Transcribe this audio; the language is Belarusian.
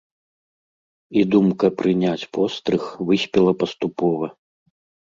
І думка прыняць пострыг выспела паступова.